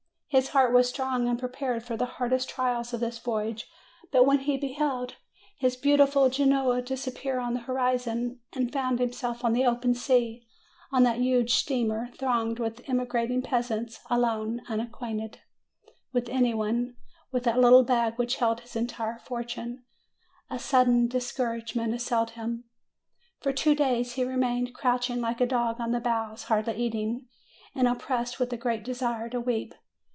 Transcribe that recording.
His heart was strong and prepared for the hardest trials of this voyage; but when he be held his beautiful Genoa disappear on the horizon, and found himself on the open sea on that huge steamer thronged with emigrating peasants, alone, unacquainted 258 MAY with any one, with that little bag which held his entire fortune, a sudden discouragement assailed him. For two days he remained crouching like a dog on the bows, hardly eating, and oppressed with a great de sire to weep.